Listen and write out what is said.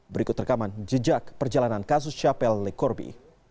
berikut rekaman jejak perjalanan kasus chapelle le corbi